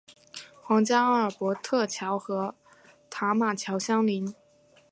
皇家阿尔伯特桥和塔马桥相邻。